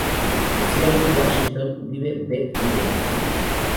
En Seattle, Washington, vive Beth Williamson.